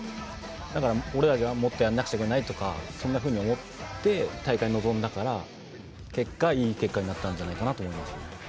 だから俺らがもっとやらなくちゃいけないとかそんなふうに思って大会に臨んだから結果いい結果になったんじゃないかなと思います。